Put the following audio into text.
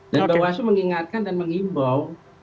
dan bawaslu mengingatkan dan mengimbau